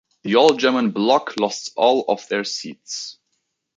The All-German Bloc lost all of their seats.